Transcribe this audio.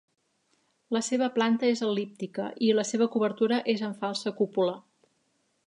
La seva planta és el·líptica i la seva cobertura és en falsa cúpula.